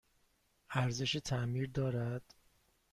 ارزش تعمیر دارد؟